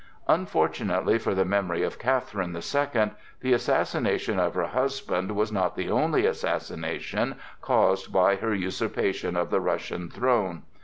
Unfortunately for the memory of Catherine the Second the assassination of her husband was not the only assassination caused by her usurpation of the Russian throne.